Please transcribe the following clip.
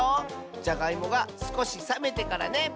じゃがいもがすこしさめてからね！